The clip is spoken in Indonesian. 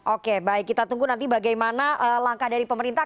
oke baik kita tunggu nanti bagaimana langkah dari pemerintah